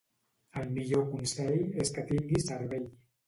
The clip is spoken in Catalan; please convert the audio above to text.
El millor consell és que tinguis cervell.